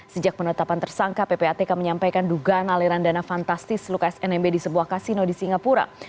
sejak penetapan tersangka ppatk menyampaikan dugaan aliran dana fantastis lukas nmb di sebuah kasino di singapura